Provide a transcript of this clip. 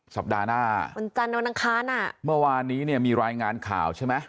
สัปดาห์หน้าวันจันทร์วันอังคารอ่ะเมื่อวานนี้เนี่ยมีรายงานข่าวใช่ไหม